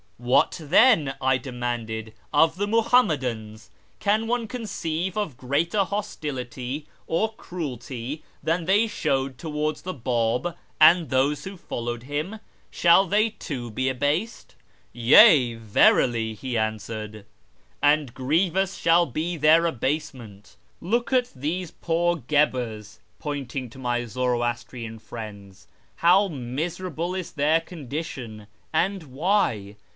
" What, then," I demanded, " of the Muhammadans ? Can one conceive of greater hostility or cruelty than they showed towards the Bab and those who followed him ? Shall they too be abased?" " Yea, verily," he answered, " and grievous shall be their abasement ! Look at these poor guebres " (pointing to my Zoroastrian friends), " how miserable is their condition ! And why